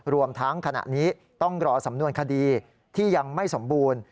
รวมทั้งขณะนี้ต้องรอสำนวนคดีที่ยังไม่สมบูรณ์